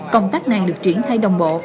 công tác này được chuyển thay đồng bộ